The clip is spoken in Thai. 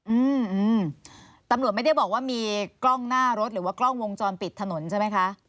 อืมตำรวจไม่ได้บอกว่ามีกล้องหน้ารถหรือว่ากล้องวงจรปิดถนนใช่ไหมคะ